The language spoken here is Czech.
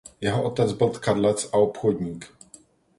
Jeho otec byl tkadlec a obchodník.